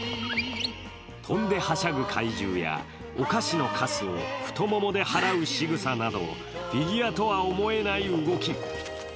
飛んではしゃぐ怪獣や、お菓子のカスを太ももで払うしぐさだとフィギュアとは思えない動き。